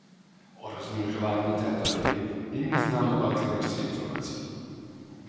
O rozmnožování této ryby není známo velké množství informací.